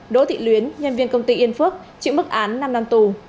đỗ thị luyến nhân viên công ty yên phước chịu mức án năm năm tù